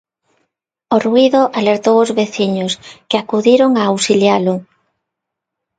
O ruído alertou os veciños, que acudiron a auxilialo.